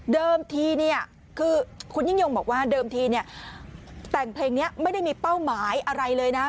ทีเนี่ยคือคุณยิ่งยงบอกว่าเดิมทีเนี่ยแต่งเพลงนี้ไม่ได้มีเป้าหมายอะไรเลยนะ